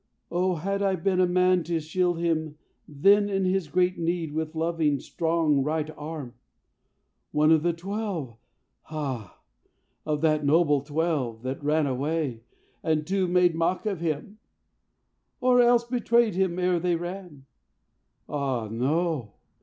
"Oh, had I been a man to shield him then In his great need with loving strong right arm! One of the twelve ha! of that noble twelve That ran away, and two made mock of him Or else betrayed him ere they ran? Ah no!